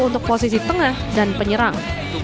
untuk posisi tengah dan penyerang